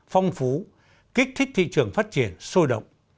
phong phú kích thích thị trường phát triển sôi động